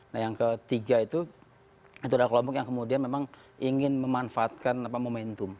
nah yang ketiga itu adalah kelompok yang kemudian memang ingin memanfaatkan momentum